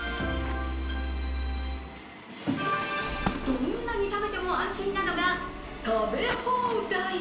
どんなに食べても安心なのが食べ放題。